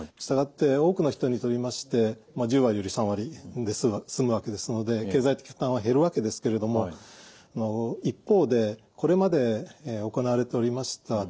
従って多くの人にとりまして１０割より３割で済むわけですので経済的負担は減るわけですけれども一方でこれまで行われておりました